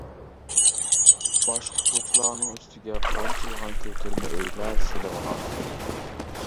باشقا كوچىلارنىڭ ئۈستىگە قانچىلىغان كۆتۈرمە ئۆيلەر سېلىنغان.